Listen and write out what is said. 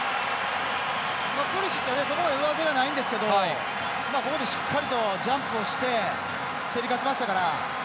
プリシッチはそれほど上背はないんですけどここでしっかりとジャンプをして競り勝ちましたから。